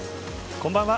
こんばんは。